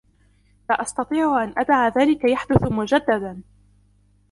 لا أستطيع أن أدع ذلك يحدث مجددا.